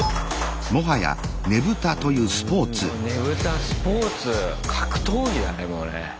ねぶたスポーツ格闘技だねもうね。